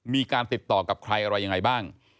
มีการติดต่อกับใครอะไรยังไงบ้าง